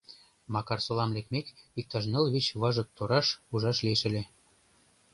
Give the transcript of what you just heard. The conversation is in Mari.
Макарсолам лекмек, иктаж ныл-вич важык тораш ужаш лиеш ыле.